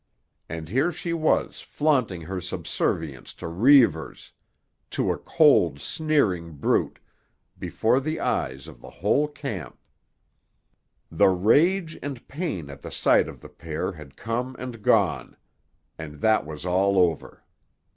And here she was flaunting her subservience to Reivers—to a cold, sneering brute—before the eyes of the whole camp! The rage and pain at the sight of the pair had come and gone, and that was all over.